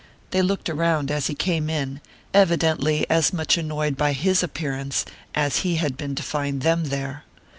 They looked around as he came in, evidently as much annoyed by his appearance as he had been to find them there.